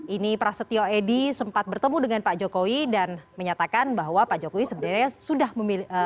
ini prasetyo edy sempat bertemu dengan pak jokowi dan menyatakan bahwa pak jokowi sebenarnya sudah memilih